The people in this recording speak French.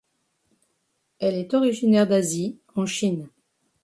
Elle est originaire d'Asie en Chine.